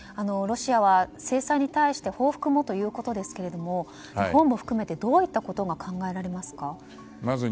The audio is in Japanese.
ロシアは制裁に対して報復もということですが日本も含めてどういうことが考えられますか。